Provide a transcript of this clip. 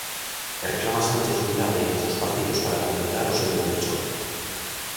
E reclama Sánchez unidade entre os partidos para convalidar o seu plan de choque.